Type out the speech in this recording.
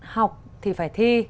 học thì phải thi